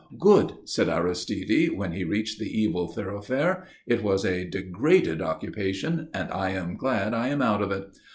"Good," said Aristide, when he reached the evil thoroughfare. "It was a degraded occupation, and I am glad I am out of it.